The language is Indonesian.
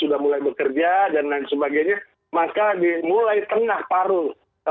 di lebarang ini tentunya